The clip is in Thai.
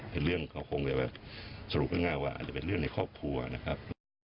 เรื่องเขาคงจะแบบสรุปง่ายว่าอาจจะเป็นเรื่องในครอบครัวนะครับ